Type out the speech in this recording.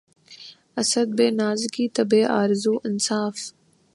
اسد! بہ نازکیِ طبعِ آرزو انصاف